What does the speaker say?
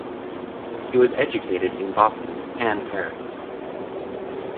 He was educated in Boston and Paris.